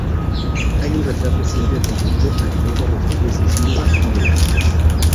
Hay un retrato suyo atribuido a Diego Rodríguez de Silva y Velázquez.